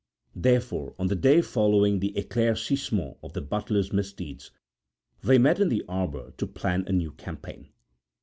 Therefore on the day following the éclaircissement of the butlers' misdeeds, they met in the arbour to plan a new campaign.